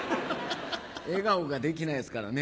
笑顔ができないですからね。